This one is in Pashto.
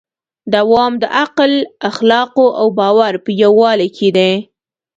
دوام د عقل، اخلاقو او باور په یووالي کې دی.